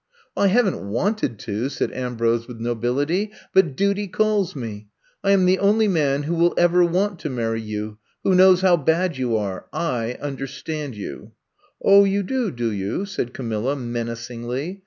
*' I haven't wanted to,'* said Ambrose with nobility. But duty calls me. I am the only man who will ever want to marry you — ^who knows how bad you are. I un derstand you." 0h, you do, do youf said Camilla, menacingly.